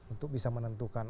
untuk bisa menentukan